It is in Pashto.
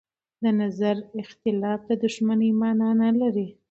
د نظر اختلاف د دښمنۍ مانا نه لري